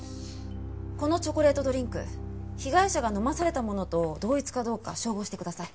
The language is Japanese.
このチョコレートドリンク被害者が飲まされたものと同一かどうか照合してください。